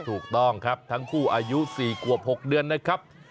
ถูกต้องครับทั้งคู่อายุ๔ขวบ๖เดือนนะครับ